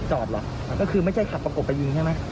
หรอกก็คือไม่ใช่ขับประกบไปยิงใช่ไหม